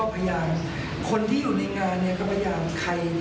เพราะทุกคนที่อยู่ในงานก็เยอะมาก